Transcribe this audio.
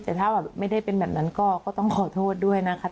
แต่ถ้าแบบไม่ได้เป็นแบบนั้นก็ต้องขอโทษด้วยนะคะ